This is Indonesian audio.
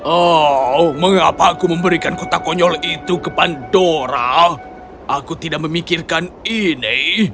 oh mengapa aku memberikan kotak konyol itu ke pandora aku tidak memikirkan ini